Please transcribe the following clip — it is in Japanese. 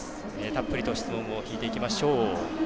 たっぷりと質問を聞いていきましょう。